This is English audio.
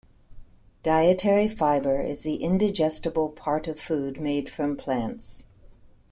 Dietary fiber is the indigestible part of food made from plants.